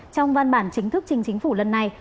trong văn bản chính thức trình chính phủ lần này